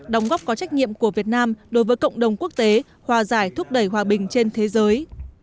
đóng góp có trách nhiệm của việt nam đối với cộng đồng quốc tế hòa giải thúc đẩy hòa bình trên thế giới